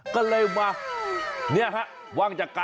ก็เลยมา